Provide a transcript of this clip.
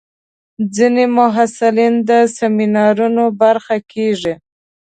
ځینې محصلین د سیمینارونو برخه کېږي.